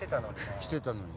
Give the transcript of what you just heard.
来てたのに。